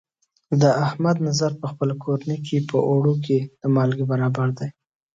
د احمد نظر په خپله کورنۍ کې، په اوړو کې د مالګې برابر دی.